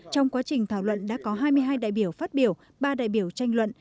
trong quá trình thảo luận đã có hai mươi hai đại biểu phát biểu ba đại biểu tranh luận